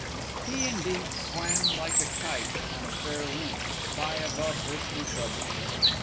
He, indeed, swam like a kite on a fair wind, high above earthly troubles.